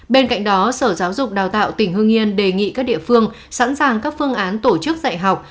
bên cạnh đó sở giáo dục đào tạo tỉnh hương yên đề nghị các địa phương sẵn sàng các phương án tổ chức dạy học